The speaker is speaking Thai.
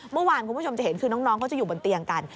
เมื่อวานคุณผู้ชมจะเห็นคือน้องเขาจะอยู่บนเตียงกัน